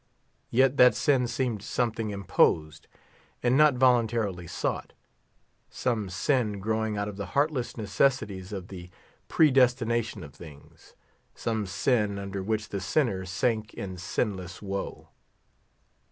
Yet that sin seemed something imposed, and not voluntarily sought; some sin growing out of the heartless necessities of the predestination of things; some sin under which the sinner sank in sinless woe.